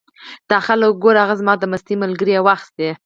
دا خلک وګوره! هغه زما د مستۍ ملګری یې واخیست.